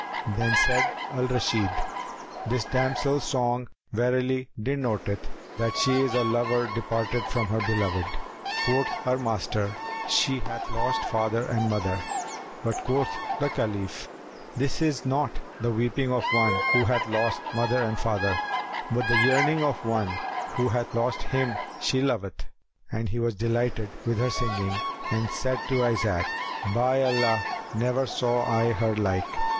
Then said Al Rashid, "This damsel's song verily denoteth that she is a lover departed from her beloved." Quoth her master, "She hath lost father and mother;" but quoth the Caliph, "This is not the weeping of one who hath lost mother and father, but the yearning of one who hath lost him she loveth." And he was delighted with her singing and said to Isaac, "By Allah, never saw I her like!"